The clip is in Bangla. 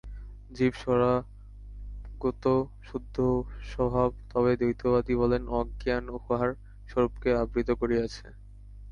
জীব স্বরূপত শুদ্ধস্বভাব, তবে দ্বৈতবাদী বলেন, অজ্ঞান উহার স্বরূপকে আবৃত করিয়াছে।